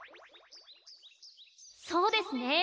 そうですね。